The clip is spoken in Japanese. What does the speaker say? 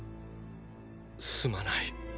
すまない。